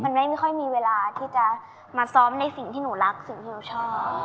มันไม่ค่อยมีเวลาที่จะมาซ้อมในสิ่งที่หนูรักสิ่งที่หนูชอบ